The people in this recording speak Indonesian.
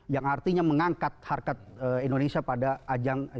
yang artinya mengangkat harkat indonesia pada ajang